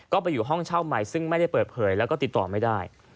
ก็ไปอยู่ห้องเช่าใหม่ซึ่งไม่ได้เปิดเผยแล้วก็ติดต่อไม่ได้